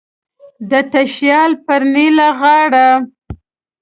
د تشیال پر نیلی غاړه